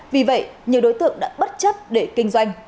vì vậy nhiều đối tượng đã bất chấp để kinh doanh